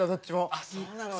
あっそうなのね。